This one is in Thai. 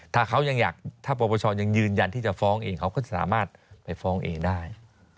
ถ้าปรปชยังยืนยันที่จะฟ้องเองเขาก็จะสามารถไปฟ้องเองได้